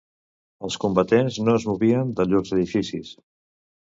Els combatents no es movien de llurs edificis